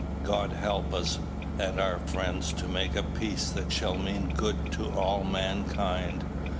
God help us and our friends to make a peace that shall mean good to all mankind.